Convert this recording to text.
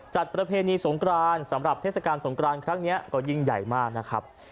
ประเพณีสงกรานสำหรับเทศกาลสงกรานครั้งนี้ก็ยิ่งใหญ่มากนะครับ